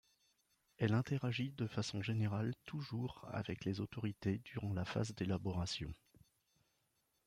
Elle intéragit de façon générale toujours avec les autorités durant la phase d'élaboration.